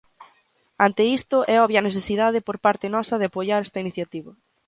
Ante isto, é obvia a necesidade por parte nosa de apoiar esta iniciativa.